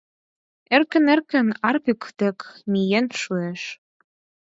Эркын-эркын Арпик дек миен шуэш.